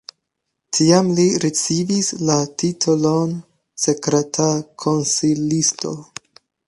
Tiam li ricevis la titolon sekreta konsilisto.